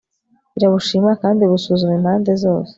irabushima, kandi ibusuzuma impande zose